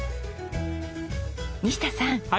西田さん